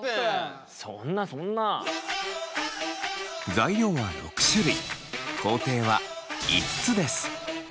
材料は６種類工程は５つです。